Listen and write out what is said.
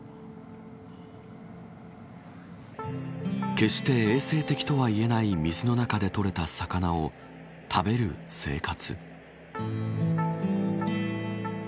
決して衛生的とは言えない水の中で取れた魚を食べる生活。